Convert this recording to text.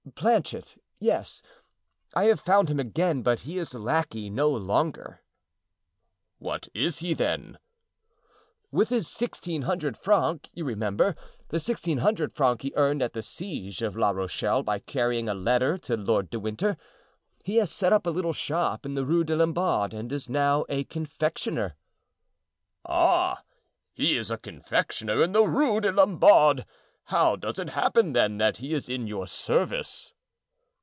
"Planchet—yes, I have found him again, but he is lackey no longer." "What is he, then?" "With his sixteen hundred francs—you remember, the sixteen hundred francs he earned at the siege of La Rochelle by carrying a letter to Lord de Winter—he has set up a little shop in the Rue des Lombards and is now a confectioner." "Ah, he is a confectioner in the Rue des Lombards! How does it happen, then, that he is in your service?"